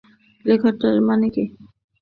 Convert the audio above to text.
লেখাটার মানে কী?